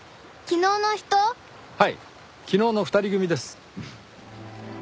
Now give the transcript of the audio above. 昨日の２人組です。